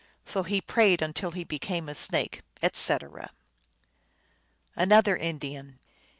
So he prayed until he became a snake," etc. Another Indian.